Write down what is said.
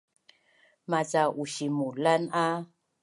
maca usimulan a